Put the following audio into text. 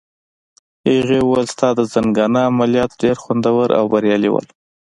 هغې وویل: ستا د زنګانه عملیات ډېر خوندور او بریالي وو.